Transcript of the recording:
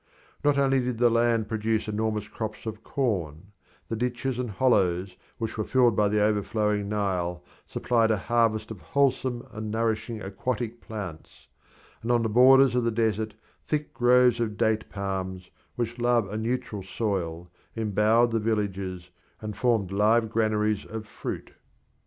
Not only did the land produce enormous crops of corn; the ditches and hollows which were filled by the overflowing Nile supplied a harvest of wholesome and nourishing aquatic plants, and on the borders of the desert thick groves of date palms, which love a neutral soil, embowered the villages, and formed live granaries of fruit.